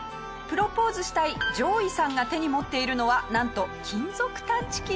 プロポーズしたいジョーイさんが手に持っているのはなんと金属探知機。